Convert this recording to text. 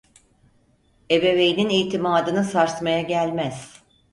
Ebeveynin itimadını sarsmaya gelmez.